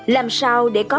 làm sao để có